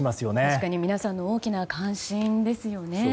確かに皆さんの大きな関心ですよね。